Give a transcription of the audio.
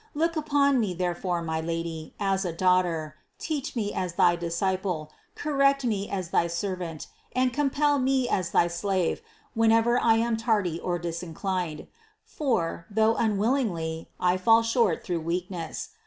Look upon me, therefore, my Lady, as a daughter, teach me as thy disciple, correct me as thy servant, and compel me as thy slave, whenever I am tardy or disinclined ; for, though unwillingly, I fall short through weakness.